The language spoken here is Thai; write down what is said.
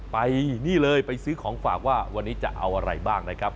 ไปนี่เลยไปซื้อของฝากว่าวันนี้จะเอาอะไรบ้างนะครับ